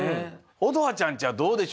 乙葉ちゃんちはどうでしょう？